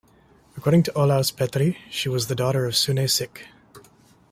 According to Olaus Petri, she was the daughter of Sune Sik.